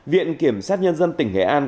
viện kiểm sát nhân dân tỉnh hệ an